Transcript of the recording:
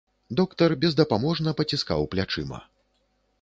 Доктар бездапаможна паціскаў плячыма.